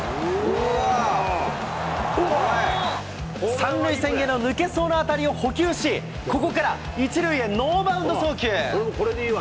３塁線への抜けそうな当たりを捕球し、ここから１塁へノーバウンド送球。